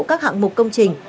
các hạng mục công trình